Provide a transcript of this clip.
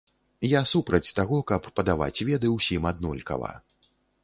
Я супраць таго, каб падаваць веды ўсім аднолькава.